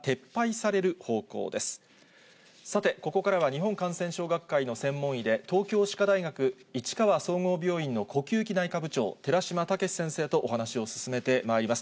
さて、ここからは日本感染症学会の専門医で、東京歯科大学市川総合病院の呼吸器内科部長、寺嶋毅先生とお話を進めてまいります。